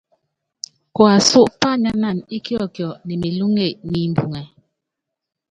Kuasú pányánana íkiɔkiɔ ne melúŋe niimbuŋɛ.